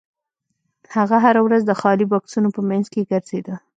هغه هره ورځ د خالي بکسونو په مینځ کې ګرځیده